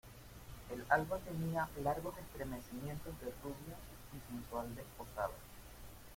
el alba tenía largos estremecimientos de rubia y sensual desposada.